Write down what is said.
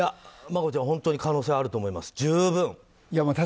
マコちゃん、本当に可能性はあると思います。